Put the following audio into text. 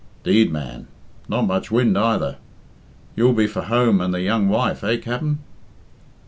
"'Deed, man! Not much wind either. You'll be for home and the young wife, eh, Capt'n?"